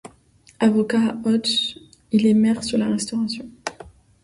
Avocat à Auch, il est maire sous la Restauration.